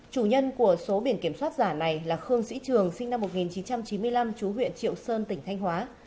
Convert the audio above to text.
chủ nhân của số biển kiểm soát giả này là khương sĩ trường sinh năm một nghìn chín trăm chín mươi năm chú huyện triệu sơn tỉnh thanh hóa